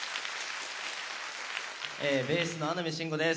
ベースの穴見真吾です。